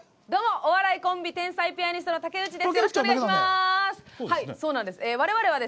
お笑いコンビ天才ピアニストの竹内知咲です。